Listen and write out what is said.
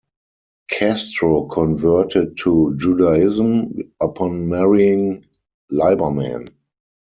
Castro converted to Judaism upon marrying Liberman.